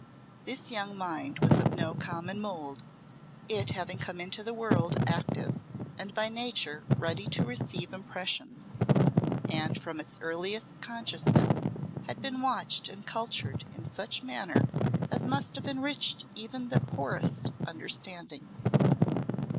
This young mind was of no common mould, it having come into the world active and by nature ready to receive impressions, and from its earliest consciousness had been watched and cultured in such manner as must have enriched even the poorest understanding.